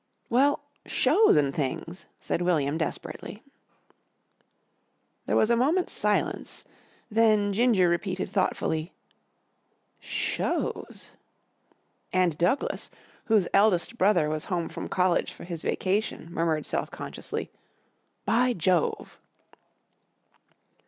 "Well shows an' things," said William desperately. There was a moment's silence, then Ginger repeated thoughtfully. "Shows!" and Douglas, whose eldest brother was home from college for his vacation, murmured self consciously, "By Jove!"